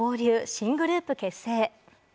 新グループ結成へ。